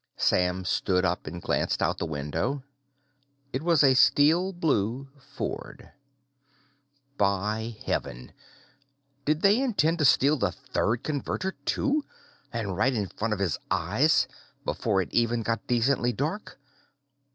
Sam stood up and glanced out the window. It was a steel blue Ford. By Heaven! Did they intend to steal the third Converter, too? And right in front of his eyes, before it even got decently dark?